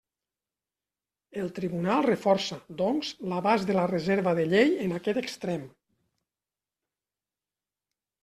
El Tribunal reforça, doncs, l'abast de la reserva de llei en aquest extrem.